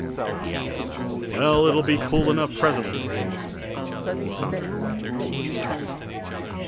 He added aloud, "Well, it will be cool enough presently, Gregg." He sauntered away toward his chart room.